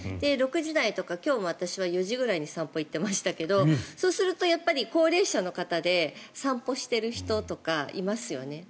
６時台とか今日も私は４時ぐらいに散歩に行っていましたけどそうすると、高齢者の方で散歩している人とかいますよね。